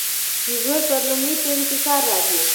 د زور پر لومړي توري فشار راځي.